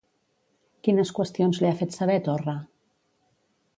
Quines qüestions li ha fet saber Torra?